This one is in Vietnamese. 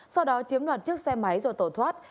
sau đó chiếm đoạt chiếc xe máy rồi tổ thoát